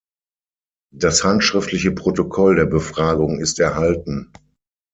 Das handschriftliche Protokoll der Befragung ist erhalten.